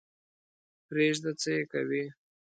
پرېږده څه یې کوې.